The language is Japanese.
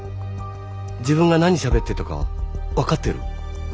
自分が何しゃべってたか分かってる？